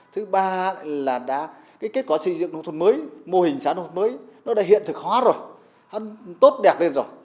thứ ba là kết quả xây dựng nông thuận mới mô hình xã nông thuận mới nó đã hiện thực hóa rồi tốt đẹp lên rồi